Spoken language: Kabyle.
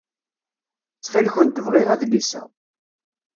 Ttxil-kent bɣiɣ adlis-a.